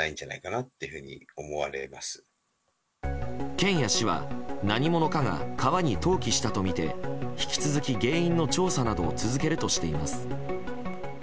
県や市は何者かが川に投棄したとみて引き続き、原因の調査などを続けるとしています。